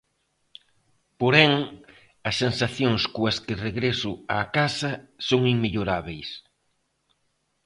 Porén, as sensacións coas que regreso á casa son inmellorábeis.